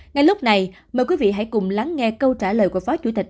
ngay lúc này mời quý vị hãy cùng lắng nghe câu trả lời của phó chủ tịch